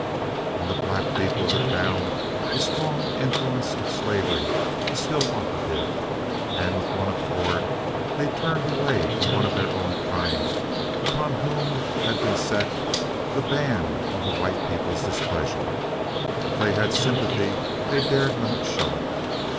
In the black people of the town the strong influence of slavery was still operative, and with one accord they turned away from one of their own kind upon whom had been set the ban of the white people's displeasure. If they had sympathy, they dared not show it.